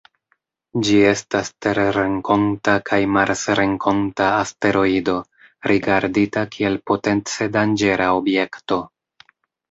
Ĝi estas terrenkonta kaj marsrenkonta asteroido, rigardita kiel potence danĝera objekto.